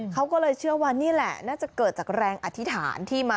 เขาก็เลยเชื่อว่านี่แหละน่าจะเกิดจากแรงอธิษฐานที่มา